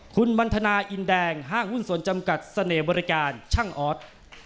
คุณมันทนาอินแดงห้างหุ้นส่วนจำกัดเสน่ห์บริการช่างออส